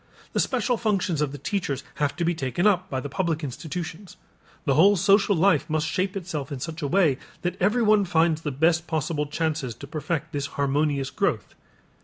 The special functions of the teachers have to be taken up by the public institutions. The whole social life must shape itself in such a way that everyone finds the best possible chances to perfect this harmonious growth.